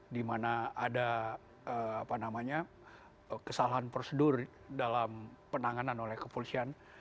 dimana ada apa namanya kesalahan prosedur dalam penanganan oleh kepolisian